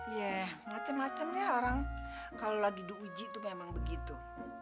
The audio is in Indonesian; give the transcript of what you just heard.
iya macem macemnya orang kalau lagi diuji itu memang begitu